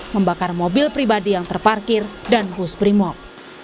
membakar mobil pribadi yang terparkir dan bus brimob